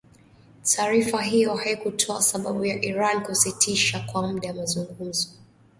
Taarifa hiyo haikutoa sababu ya Iran kusitisha kwa muda mazungumzo